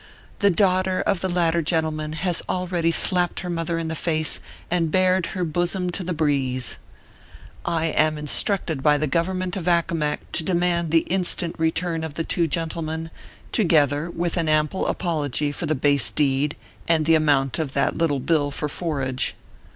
The daughter of the latter gentleman has already slapped her mother in the face, and bared her buzzum to the breeze. I am instructed by the government of Accomac to demand the instant return of the two gentlemen, together with an ample apology for the base deed, and the amount of that little bill for forage.